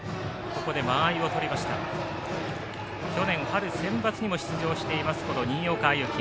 去年、春センバツにも出場しています、新岡歩輝。